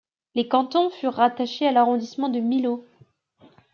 Les cantons furent rattachés à l'arrondissement de Millau.